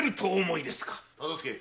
忠相！